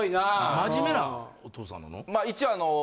・真面目なお父さんなの？